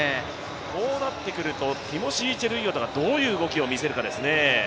こうなってくるとティモシー・チェルイヨトがどういう動きを見せるかですね。